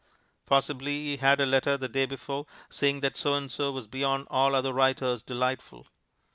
Possibly he had a letter the day before saying that So and So was beyond all other writers delightful.